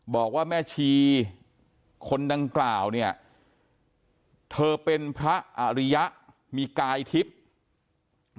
บอกว่าแม่ชีคนดังกล่าวเนี่ยเธอเป็นพระอริยะมีกายทิพย์